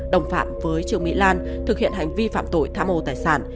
đồng phạm với trương mỹ lan thực hiện hành vi phạm tội tham ô tài sản